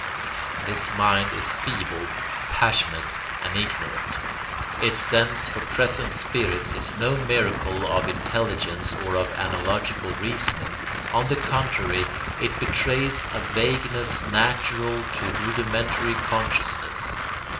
This mind is feeble, passionate, and ignorant. Its sense for present spirit is no miracle of intelligence or of analogical reasoning; on the contrary, it betrays a vagueness natural to rudimentary consciousness.